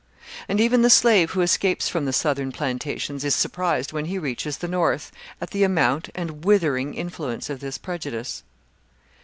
And even the slave who escapes from the Southern plantations, is surprised when he reaches the North, at the amount and withering influence of this prejudice.